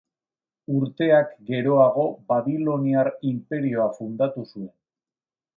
Urteak geroago Babiloniar inperioa fundatu zuen.